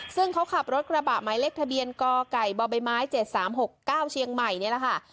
ซึ่งเขาขับรถกระบะไม้เลขทะเบียนก่อไก่บ่อใบไม้เจ็ดสามหกเก้าเชียงใหม่นี่แหละค่ะ